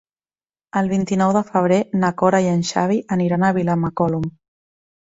El vint-i-nou de febrer na Cora i en Xavi aniran a Vilamacolum.